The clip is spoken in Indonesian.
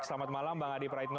selamat malam bang adi praitno